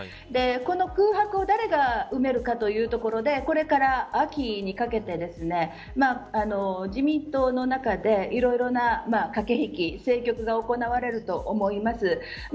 この空白を誰が埋めるかというところでこれから秋にかけて自民党の中で、いろいろな駆け引き、政局が行われると思います。